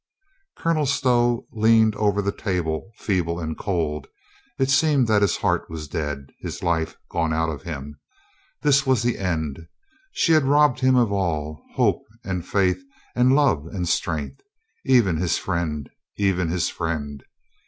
Colonel Stow leaned over the table, feeble and cold. It seemed that his heart was dead, his life gone out of him. This was the end. She had robbed him of all — hope .and faith and love and strength. Even his friend ... even his friend